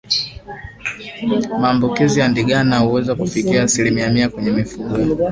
Maambukizi ya ndigana huweza kufikia asilimia mia kwenye mifugo asilia hasa ngombe wenye nundu